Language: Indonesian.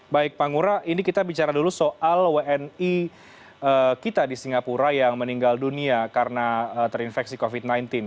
baik pak ngura ini kita bicara dulu soal wni kita di singapura yang meninggal dunia karena terinfeksi covid sembilan belas